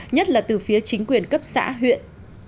nhất là từ phía chính quyền cấp xã huyện